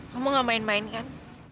kamu gak main main kan